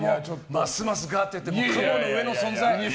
ますます上がってって雲の上の存在。